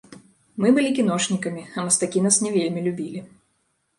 Мы былі кіношнікамі, а мастакі нас не вельмі любілі.